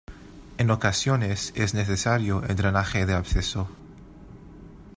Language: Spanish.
En ocasiones, es necesario el drenaje del absceso.